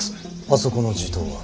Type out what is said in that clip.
あそこの地頭は。